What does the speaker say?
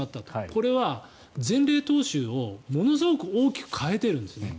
これは前例踏襲をものすごく大きく変えてるんですね。